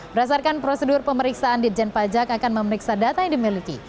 berdasarkan prosedur pemeriksaan ditjen pajak akan memeriksa data yang dimiliki